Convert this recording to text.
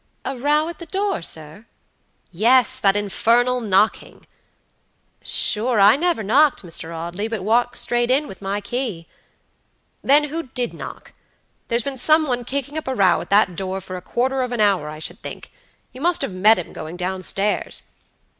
"A row at the door, sir?" "Yes; that infernal knocking." "Sure I never knocked, Mister Audley, but walked straight in with my kay" "Then who did knock? There's been some one kicking up a row at that door for a quarter of an hour, I should think; you must have met him going down stairs."